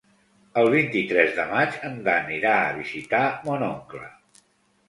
El vint-i-tres de maig en Dan irà a visitar mon oncle.